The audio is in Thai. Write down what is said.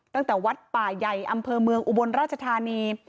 ตั้งแต่วัดป่าใหญ่อำเภอเมืองอุบลราชธานี